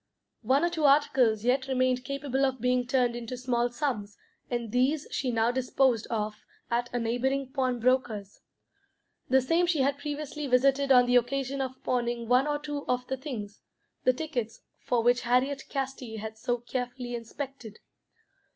One or two articles yet remained capable of being turned into small sums, and these she now disposed of at a neighbouring pawnbroker's the same she had previously visited on the occasion of pawning one or two of the things, the tickets for which Harriet Casti had so carefully inspected.